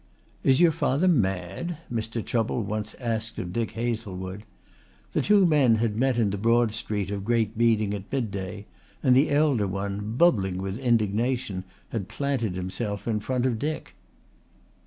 "Is your father mad?" Mr. Chubble once asked of Dick Hazlewood. The two men had met in the broad street of Great Beeding at midday, and the elder one, bubbling with indignation, had planted himself in front of Dick.